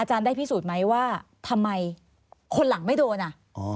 ได้พิสูจน์ไหมว่าทำไมคนหลังไม่โดนอ่ะ